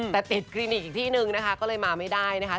แต่ติดคลินิกอีกที่นึงนะคะก็เลยมาไม่ได้นะคะ